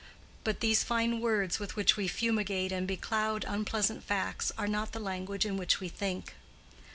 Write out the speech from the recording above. But these fine words with which we fumigate and becloud unpleasant facts are not the language in which we think.